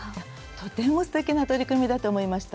とても、すてきな取り組みだと思いました。